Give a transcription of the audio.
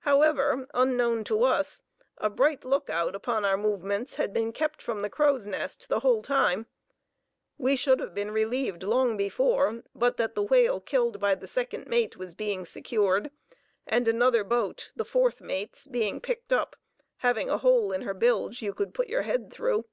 However, unknown to us, a bright look out upon our movements had been kept from the crow's nest the whole time. We should have been relieved long before, but that the whale killed by the second mate was being secured, and another boat, the fourth mate's, being picked up, having a hole in her bilge you could put your head through.